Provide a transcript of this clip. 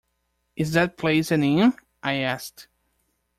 “Is that place an inn?” I asked.